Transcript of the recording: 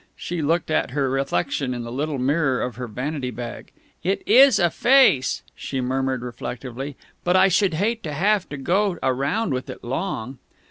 She looked at her reflection in the little mirror of her vanity bag. "It is a face!" she murmured reflectively. "But I should hate to have to go around with it long!"